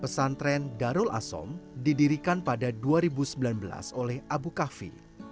pesantren darul asom didirikan pada dua ribu sembilan belas oleh abu kahfi